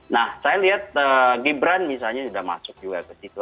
nah saya lihat gibran misalnya sudah masuk juga ke situ